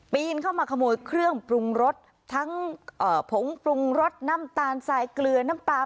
นเข้ามาขโมยเครื่องปรุงรสทั้งผงปรุงรสน้ำตาลทรายเกลือน้ำปลา